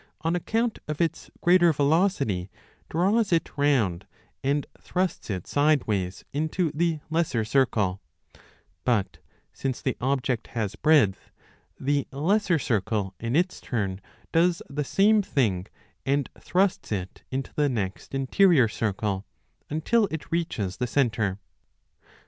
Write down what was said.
CHAPTER 35 858" on account of its greater velocity, draws it round and thrusts it sideways into the lesser circle ; but since the object 10 has breadth, the lesser circle in its turn does the same thing and thrusts it into the next interior circle, until it reaches the centre.